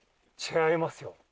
違いますよ。